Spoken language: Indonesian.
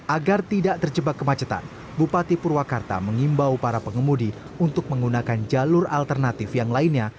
agar tidak terjebak kemacetan bupati purwakarta mengimbau para pengemudi untuk menggunakan jalur alternatif yang lainnya